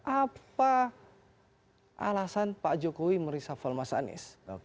apa alasan pak jokowi merisafal mas anies